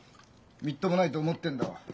みっともないと思ってんだろう？